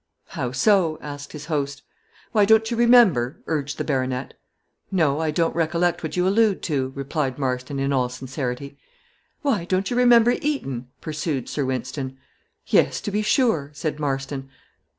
"How so?" asked his host. "Why, don't you remember?" urged the baronet. "No, I don't recollect what you allude to," replied Marston, in all sincerity. "Why, don't you remember Eton?" pursued Sir Wynston. "Yes, to be sure," said Marston.